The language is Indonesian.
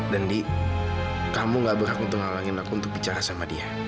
dan di kamu gak berhak untuk ngalangin aku untuk bicara sama dia